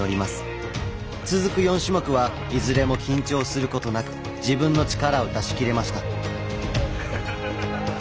続く４種目はいずれも緊張することなく自分の力を出しきれました。